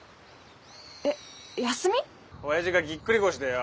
おやじがぎっくり腰でよ。